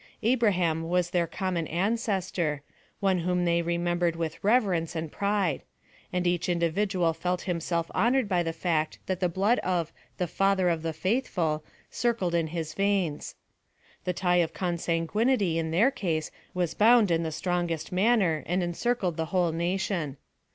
Abra ham was their common ancestor, one whom they remembered with reverence and pride ; and each individual felt himself honored by the fact that the blood of the " Father of the faithful" circled in his veins. The tie of consanguinity in their case was bound in the strongest manner, and encircled the whole nation.